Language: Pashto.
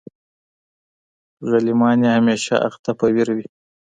غلیمان یې همېشمه اخته په ویر وي